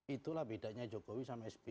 itulah bedanya jokowi sama sbi